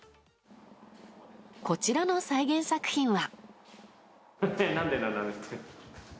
こちらの再現作品は。